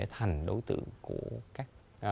thành đối tượng của các